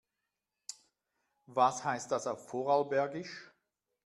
Was heißt das auf Vorarlbergisch?